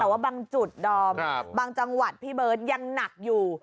แต่ว่าบางจุดดอมบางจังหวัดพี่เบิร์ตยังหนักอยู่